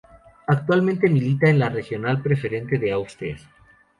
Actualmente milita en la Regional Preferente de Asturias.